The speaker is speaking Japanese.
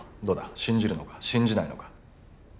どうだ信じるのか信じないのか。